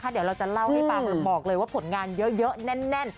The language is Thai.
เดี๋ยวเราจะเล่าให้ฟังบอกเลยว่าผลงานเยอะแน่น